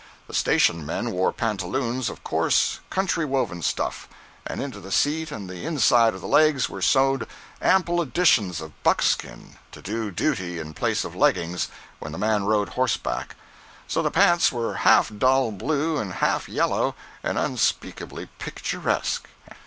The station men wore pantaloons of coarse, country woven stuff, and into the seat and the inside of the legs were sewed ample additions of buckskin, to do duty in place of leggings, when the man rode horseback—so the pants were half dull blue and half yellow, and unspeakably picturesque.